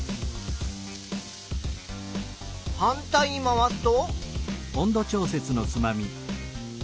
反対に回すと。